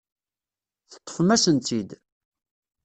Teṭṭfem-asen-tt-id.